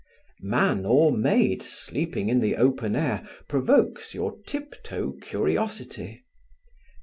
Man or maid sleeping in the open air provokes your tiptoe curiosity.